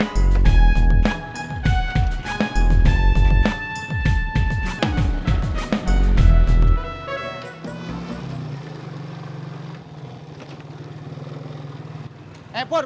terima kasih bang dadi